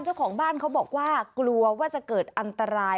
เจ้าของบ้านเขาบอกว่ากลัวว่าจะเกิดอันตราย